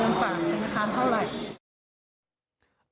มีเงินฝังของธนาคารเท่าไหร่